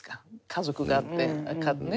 家族があってねっ。